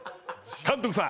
監督さん。